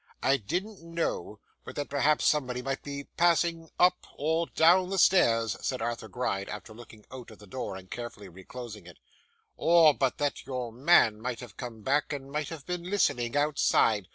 'I didn't know but that perhaps somebody might be passing up or down the stairs,' said Arthur Gride, after looking out at the door and carefully reclosing it; 'or but that your man might have come back and might have been listening outside.